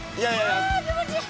ああ気持ちいい。